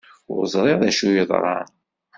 Ur ẓriɣ d acu yeḍran.